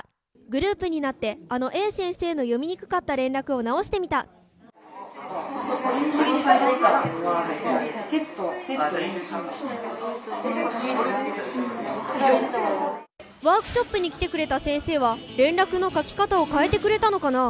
グループになってあのＡ先生の読みにくかった連絡を直してみたワークショップに来てくれた先生は連絡の書き方を変えてくれたのかな？